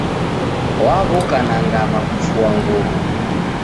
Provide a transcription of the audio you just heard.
Waw'uka na ngama kufua nguw'o.